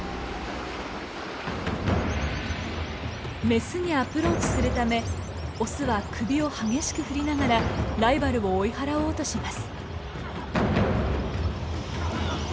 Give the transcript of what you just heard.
メスにアプローチするためオスは首を激しく振りながらライバルを追い払おうとします。